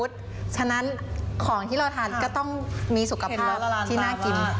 เพราะฉะนั้นของที่เราทานก็ต้องมีสุขภาพที่น่ากิน